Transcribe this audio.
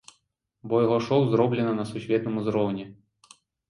Бо яго шоў зроблена на сусветным узроўні!